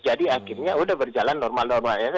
jadi akhirnya sudah berjalan normal normal ya